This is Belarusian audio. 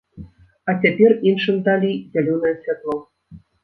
А цяпер іншым далі зялёнае святло.